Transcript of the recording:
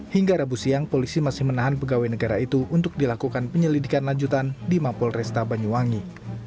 hingga rabu siang polisi masih menahan pegawai negara itu untuk dilakukan penyelidikan lanjutan di mapol resta banyuwangi